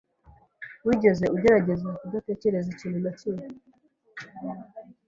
Wigeze ugerageza kudatekereza ikintu na kimwe?